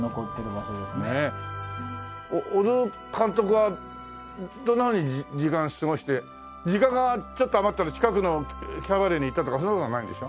小津監督は時間過ごして時間がちょっと余ったら近くのキャバレーに行ったとかそういう事はないんでしょ？